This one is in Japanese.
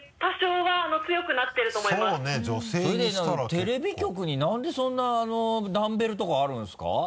テレビ局に何でそんなダンベルとかあるんですか？